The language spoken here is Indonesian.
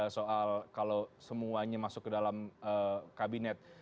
soal kalau semuanya masuk ke dalam kabinet